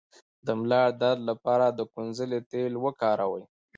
د ملا درد لپاره د کونځلې تېل وکاروئ